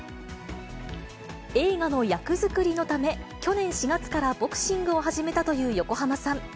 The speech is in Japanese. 映画の役作りのため、去年４月からボクシングを始めたという横浜さん。